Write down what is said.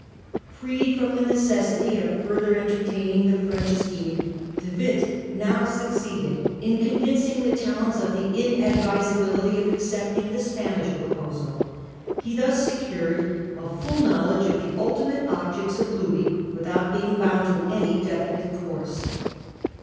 Freed from the necessity of further entertaining the French scheme, De Witt now succeeded in negotiation, convincing the towns of the inadvisability of x 6^4* accepting the Spanish proposal. He thus secured a full knowledge of the ultimate objects of Louis without being bound to any definite course.